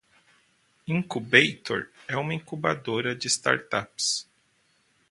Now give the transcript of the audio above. Incubator é uma incubadora de startups.